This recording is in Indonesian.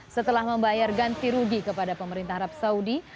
setelah membayar ganti rugi kepada pemerintah arab saudi